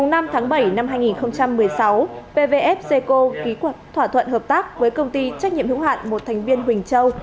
ngày năm bảy hai nghìn một mươi sáu pvf ceco ký quạt thỏa thuận hợp tác với công ty trách nhiệm hữu hạn một thành viên huỳnh châu